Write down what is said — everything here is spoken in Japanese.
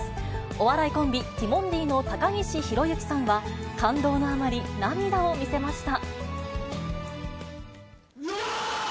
お笑いコンビ、ティモンディの高岸宏行さんは、感動のあまり、涙を見せました。